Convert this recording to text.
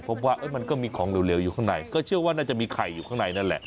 มันก็มีของเหลวอยู่ข้างในก็เชื่อว่าน่าจะมีไข่อยู่ข้างในนั่นแหละ